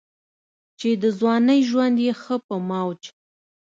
چې دَځوانۍ ژوند ئې ښۀ پۀ موج